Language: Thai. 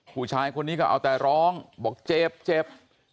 ผู้ชายคนนี้ก็เอาแต่ร้องบอกเจ็บเจ็บ